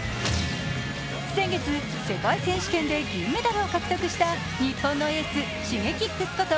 先月世界選手権で銀メダルを獲得した日本のエース・Ｓｈｉｇｅｋｉｘこと